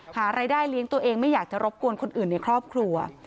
หารายได้เลี้ยงตัวเองไม่อยากจะรบกวนคนอื่นในครอบครัว